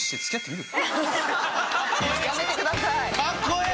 やめてください。